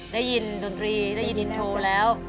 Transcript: ได้ยินดนตรีได้ยินอินโทรแล้ว